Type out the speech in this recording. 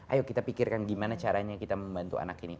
ayo kita pikirkan gimana caranya kita membantu anak ini